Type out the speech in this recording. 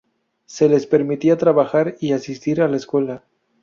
Se les permitía trabajar y asistir a la escuela.